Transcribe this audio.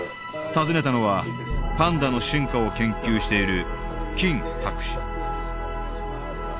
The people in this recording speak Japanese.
訪ねたのはパンダの進化を研究している金博士。